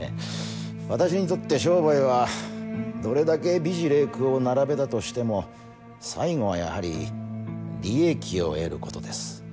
私にとって商売はどれだけ美辞麗句を並べたとしても最後はやはり利益を得る事です。